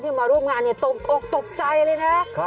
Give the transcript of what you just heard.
ที่มาร่วมงานตกใจเลยนะ